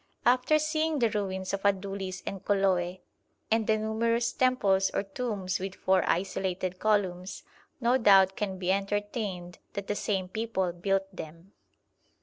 After seeing the ruins of Adulis and Koloe and the numerous temples or tombs with four isolated columns, no doubt can be entertained that the same people built them.